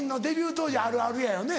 当時あるあるやよね。